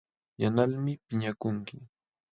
Yanqalmi piñakunki.